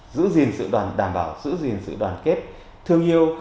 giữ gìn sự đoàn đảm bảo giữ gìn sự đoàn kết thương yêu